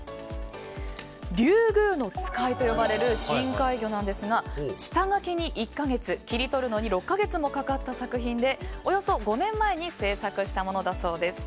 リュウグウノツカイと呼ばれる深海魚なんですが下書きに１か月、切り取るのに６か月もかかった作品でおよそ５年前に制作したものだそうです。